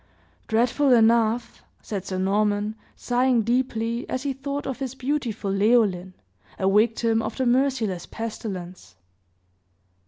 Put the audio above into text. "Dreadful enough!" said Sir Norman, sighing deeply, as he thought of his beautiful Leoline, a victim of the merciless pestilence.